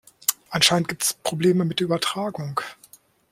Anscheinend gibt es Probleme mit der Übertragung.